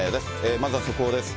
まずは速報です。